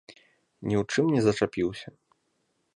Ні ў чым не зачапіўся.